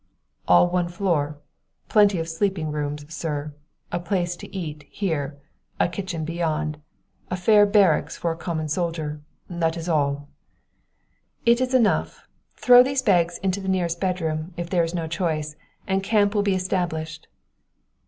"All one floor plenty of sleeping rooms, sir a place to eat here a kitchen beyond a fair barracks for a common soldier; that is all." "It is enough. Throw these bags into the nearest bedroom, if there is no choice, and camp will be established."